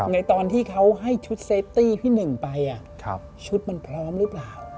ในตอนที่เขาให้ชุดเซฟตี้พี่หนึ่งไปชุดมันพร้อมหรือเปล่า